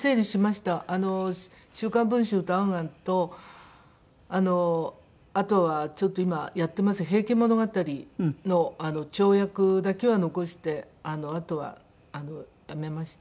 『週刊文春』と『ａｎａｎ』とあのあとはちょっと今やってます『平家物語』の超訳だけは残してあとはやめまして。